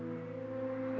biasalah orang kaya